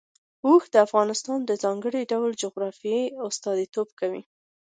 اوښ د افغانستان د ځانګړي ډول جغرافیه استازیتوب کوي.